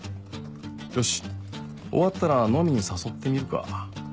よし終わったら飲みに誘ってみるか